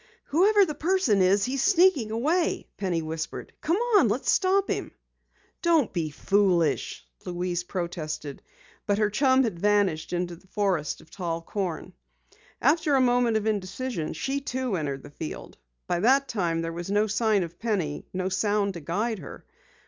"Whoever the person is, he's sneaking away," Penny whispered. "Come on, let's stop him!" "Don't be foolish " Louise protested, but her chum had vanished into the forest of tall corn. After a moment of indecision she, too, entered the field. By that time there was no sign of Penny, no sound to guide her.